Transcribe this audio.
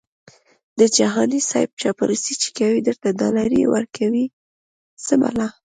د جهاني صیب چاپلوسي چې کوي درته ډالري ورکوي څه بلا🤑🤣